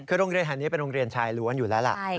คือโรงเรียนแห่งนี้เป็นโรงเรียนชายล้วนอยู่แล้วล่ะ